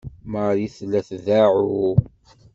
Marie tella tdeɛɛu.